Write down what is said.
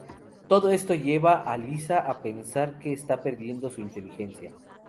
Todo esto lleva a Lisa a pensar que está perdiendo su inteligencia.